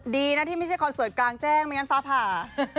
ดีนะที่ไม่ใช่คอนเสิร์ตกลางแจ้งไม่งั้นฟ้าผ่า